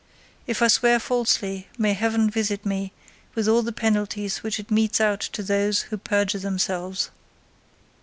If I swear falsely may heaven visit me with all the penalties which it metes out to those who perjure themselves."